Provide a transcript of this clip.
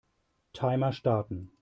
Timer starten.